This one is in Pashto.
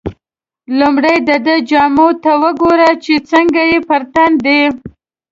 لومړی دده جامو ته وګوره چې څنګه یې پر تن دي.